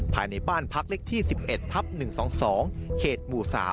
ภายในบ้านพักเล็กที่๑๑ทับ๑๒๒เขตหมู่๓